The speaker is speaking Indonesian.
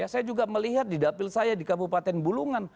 saya juga melihat di dapil saya di kabupaten bulungan